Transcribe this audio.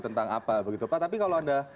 tentang apa begitu pak tapi kalau anda